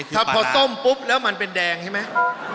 ถ้าพอส้มปุ๊บแล้วมันเป็นแดงใช่ไหม